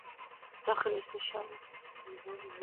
Კვარაცხელიას ოქროს ბურთის მოგების შანსი აქვს!